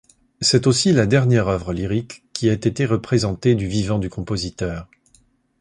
C'est aussi la dernière œuvre lyrique qui ait été représentée du vivant du compositeur.